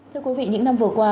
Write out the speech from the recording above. thưa quý vị những năm vừa qua